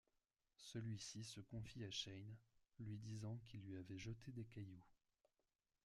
Celui-ci se confie à Shane, lui disant qu'il lui avait jeté des cailloux.